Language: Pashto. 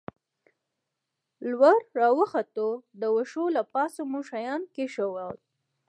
لوړ را وختو، د وښو له پاسه مو شیان کېښوول.